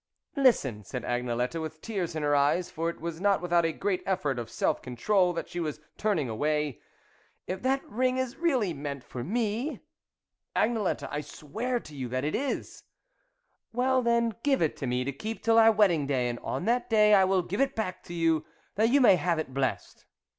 " Listen," said Agnelette, with tears in her eyes, for it was not without a great effort of self control that she was turning away, " if that ring is really meant for me. ..."" Agnelette, I swear to you that it Is." " Well then, give it me to keep till our wedding day, and on that day I will give it back to you, that you may have it blessed."